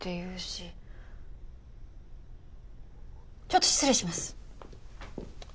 ちょっと失礼します！